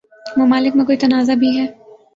ممالک میں کوئی تنازع بھی ہے